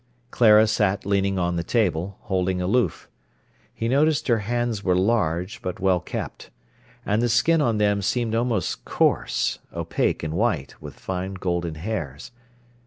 Clara sat leaning on the table, holding aloof. He noticed her hands were large, but well kept. And the skin on them seemed almost coarse, opaque, and white, with fine golden hairs.